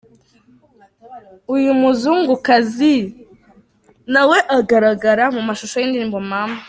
Uyu muzungukazi nawe agaragara mu mashusho y’indirimo Mama